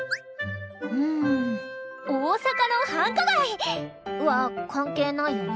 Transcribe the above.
うん大阪の繁華街！は関係ないよね。